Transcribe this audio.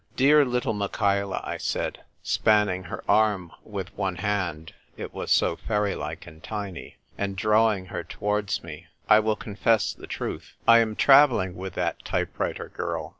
" Dear little Michaela," I said, spanning her arm with one hand — it was so fairy like and tiny — and drawing iier towards me, " I will confess the truth. I am travelling with that type writer girl.